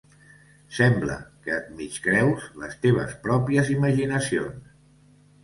Sembla que et mig creus les teves pròpies imaginacions.